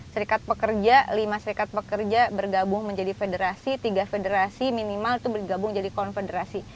serikat pekerja lima serikat pekerja bergabung menjadi federasi tiga federasi minimal itu bergabung jadi konfederasi